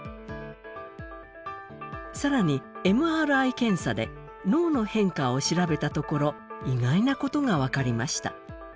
更にＭＲＩ検査で脳の変化を調べたところ意外なことが分かりました。